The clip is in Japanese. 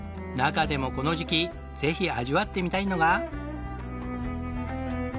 中でもこの時期ぜひ味わってみたいのが。